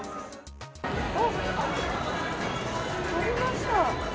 あ、ありました。